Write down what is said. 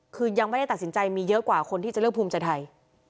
คือยังไม่ได้ตัดสินใจมีเยอะกว่าคนที่จะเลือกภูมิใจไทย